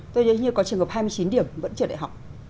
tôi nếu như có trường hợp hai mươi chín điểm vẫn trượt đại học